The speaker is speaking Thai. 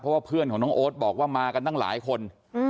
เพราะว่าเพื่อนของน้องโอ๊ตบอกว่ามากันตั้งหลายคน